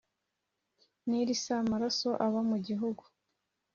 Nili s Amaraso aba mu gihugu